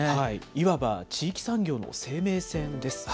いわば地域産業の生命線です。